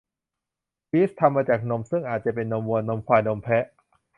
ชีส ทำมาจากนม ซึ่งอาจจะเป็นนมวัว นมควาย นมแพะ